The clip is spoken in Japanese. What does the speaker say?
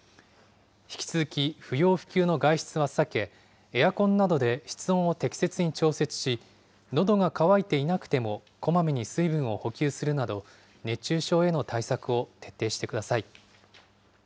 引き続き不要不急の外出は避け、エアコンなどで室温を適切に調節し、のどが渇いていなくてもこまめに水分を補給するなど、熱中症への対策を徹底してください。